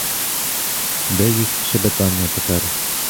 Де їх щебетання тепер?